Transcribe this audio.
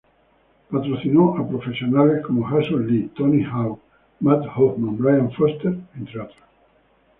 Patrocinó a profesionales como Jason Lee, Tony Hawk, Matt Hoffman, Brian Foster entre otros.